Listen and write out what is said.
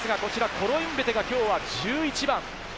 コロインベテがきょうは１１番。